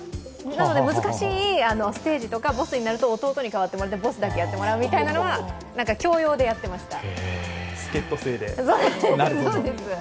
なので難しいステージとかボスになると弟にやってもらって、ボスだけやってもらうというのはやっていました。